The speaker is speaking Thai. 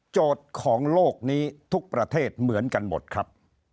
ของโลกนี้ทุกประเทศเหมือนกันหมดครับ